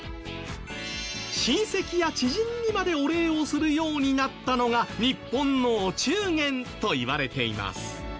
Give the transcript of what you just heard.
親戚や知人にまでお礼をするようになったのが日本のお中元といわれています。